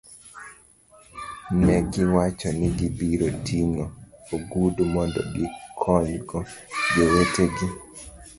Ne giwacho ni gibiro ting'o ogudu mondo gikonygo jowetegi.